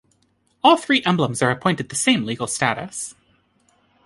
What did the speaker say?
All three emblems are appointed the same legal status.